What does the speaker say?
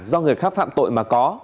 do người khác phạm tội mà có